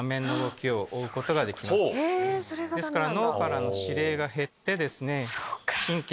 ですから。